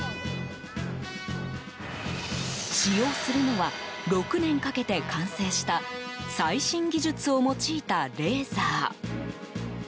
使用するのは６年かけて完成した最新技術を用いたレーザー。